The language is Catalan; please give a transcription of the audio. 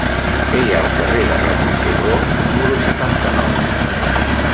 Què hi ha al carrer de Ramon Turró número setanta-nou?